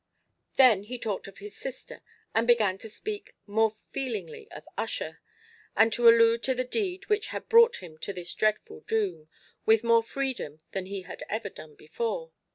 He then talked of his sister, and began to speak more feelingly of Ussher, and to allude to the deed which had brought him to his dreadful doom, with more freedom than he had ever done before.